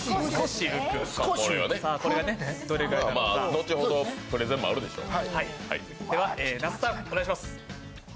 後ほどプレゼンもあるでしょう。